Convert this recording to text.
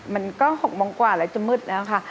มันก็๖โมงกว่าแล้วจะมืดแล้วค่ะ